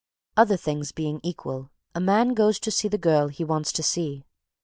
Other things being equal, a man goes to see the girl he wants to see.